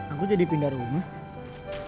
aku jadi pindah rumah